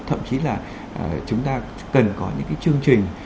thậm chí là chúng ta cần có những cái chương trình